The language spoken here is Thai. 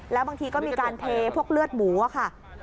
แล้วบางทีก็มีการเทพวกเลือดหมูค่ะ